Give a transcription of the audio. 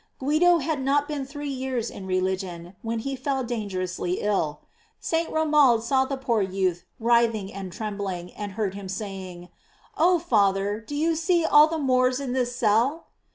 Guido had not been three years in religion when he fell dangerously ill. St. Romuald saw the poor youth writhing and trembling, and heard him saying : "Oh Father, do you see all the Moors in this cell